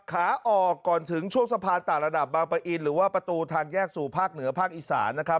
ขาออกก่อนถึงช่วงสะพานต่างระดับบางปะอินหรือว่าประตูทางแยกสู่ภาคเหนือภาคอีสานนะครับ